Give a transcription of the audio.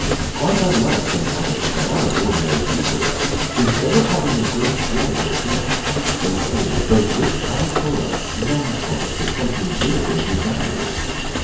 Quite unlike Sentaro and other ordinary people, instead of having a great dread of death, they all, both rich and poor, longed for it as something good and desirable.